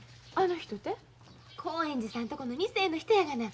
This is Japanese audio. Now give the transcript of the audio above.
興園寺さんとこの二世の人やがな。